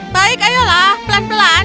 baik ayolah pelan pelan